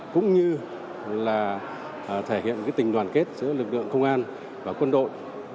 cũng như là thể hiện tình đoàn kết giữa lực lượng công an và quân đội